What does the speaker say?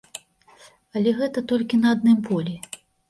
Але гэта толькі на адным полі.